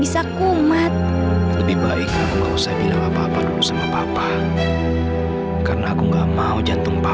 sampai jumpa di video selanjutnya